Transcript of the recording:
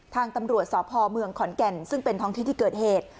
ทางตำรวจสพเมืองขอนแก่นซึ่งเป็นท้องที่ที่เกิดเหตุ